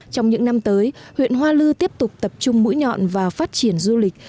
trong những năm tới huyện hoa lư tiếp tục tập trung mũi nhọn vào phát triển du lịch